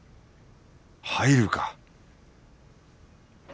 入るか